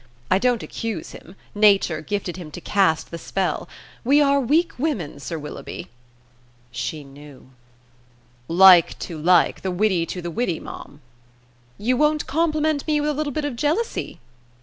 I don't accuse him. Nature gifted him to cast the spell. We are weak women, Sir Willoughby." She knew! "Like to like: the witty to the witty, ma'am." "You won't compliment me with a little bit of jealousy?"